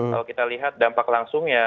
kalau kita lihat dampak langsungnya